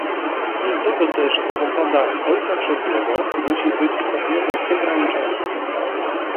Dlatego też zasada "ojca chrzestnego" musi być stopniowo ograniczana